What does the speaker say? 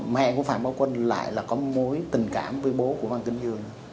mẹ của phạm bảo quân lại là có mối tình cảm với bố của văn kinh dương